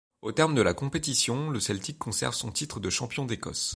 Au terme de la compétition le Celtic conserve son titre de champion d'Écosse.